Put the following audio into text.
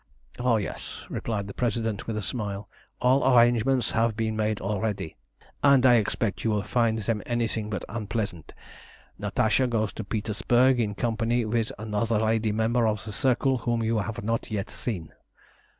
"Oh yes," replied the President, with a smile, "all arrangements have been made already, and I expect you will find them anything but unpleasant. Natasha goes to Petersburg in company with another lady member of the Circle whom you have not yet seen.